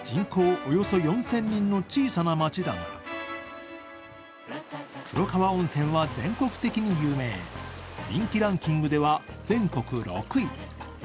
およそ４０００人の小さな町だが、黒川温泉は全国的に有名、人気ランキングでは全国６位。